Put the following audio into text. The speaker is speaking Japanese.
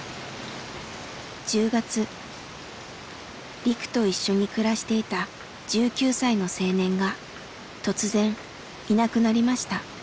リクと一緒に暮らしていた１９歳の青年が突然いなくなりました。